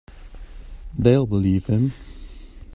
They'll believe him.